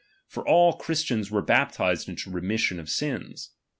For all Christians were baptized into re mission of sius.